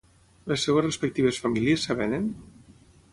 Les seves respectives famílies s'avenen?